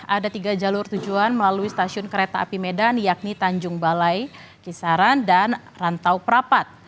ada tiga jalur tujuan melalui stasiun kereta api medan yakni tanjung balai kisaran dan rantau prapat